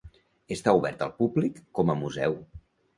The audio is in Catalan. Està obert al públic com a museu.